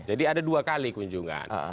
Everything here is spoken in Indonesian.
ada dua kali kunjungan